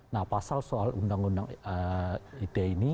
nah pasal soal undang undang ite ini